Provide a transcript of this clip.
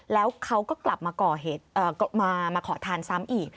แล้วเขาก็กลับมาขอทานซ้ำอีก